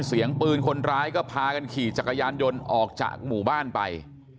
เสียงปืนคนร้ายก็พากันขี่จักรยานยนต์ออกจากหมู่บ้านไป